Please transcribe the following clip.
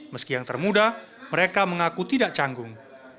meski yang termuda mereka mengaku tidak canggung